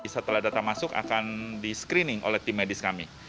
setelah data masuk akan di screening oleh tim medis kami